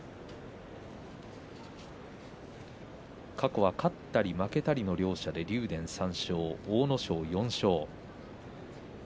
過去は勝ったり負けたりの両者で竜電３勝、阿武咲４勝。